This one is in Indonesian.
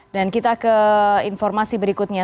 dan kita ke informasi berikutnya